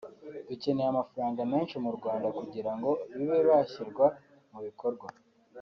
dukeneye amafaranga menshi mu Rwanda kugira ngo bibe byashyirwa mu bikorwa